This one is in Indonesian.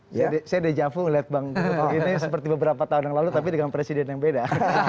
saya deja vu melihat bang rohut begini seperti beberapa tahun yang lalu tapi dengan presiden yang beda